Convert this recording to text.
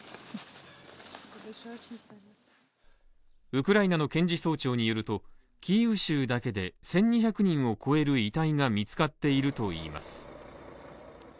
ウクライナの検事総長によるとキーウ州だけで１２００人を超える遺体が見つかっているといいます。